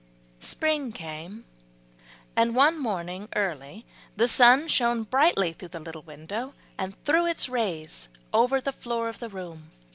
Spring came, and one morning early the sun shone brightly through the little window, and threw its rays over the floor of the room.